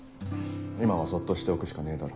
今はそっとしておくしかねえだろ。